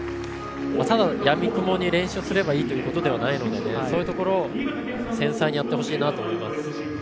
ただ闇雲に練習すればいいということではないのでそういうところ繊細にやってほしいと思います。